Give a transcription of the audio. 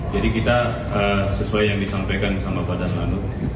jadi kita sesuai yang disampaikan sama bapak dan bapak ibu